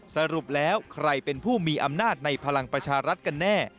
สรุปแล้วใครเป็นผู้มีอำนาจในพลังประชารัฐกันแน่